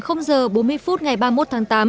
khoảng giờ bốn mươi phút ngày ba mươi một tháng tám